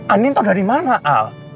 andin itu dari mana al